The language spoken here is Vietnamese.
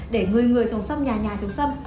để người người trồng sâm nhà nhà trồng sâm